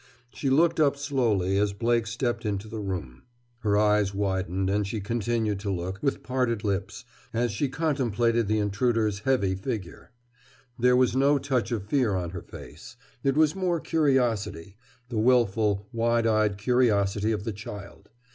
She looked up slowly as Blake stepped into the room. Her eyes widened, and she continued to look, with parted lips, as she contemplated the intruder's heavy figure. There was no touch of fear on her face. It was more curiosity, the wilful, wide eyed curiosity of the child.